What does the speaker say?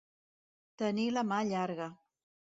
Tenir la mà llarga.